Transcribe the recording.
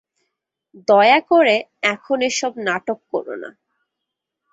দয়া করে এখন এসব নাটক করো না।